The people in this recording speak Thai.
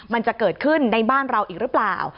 มันจะเกิดขึ้นในบ้านเราอีกหรือเปล่า